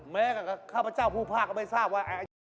แม้กับข้าพเจ้าภูภาคก็ไม่ทราบว่าไอ้นี่เป็นใคร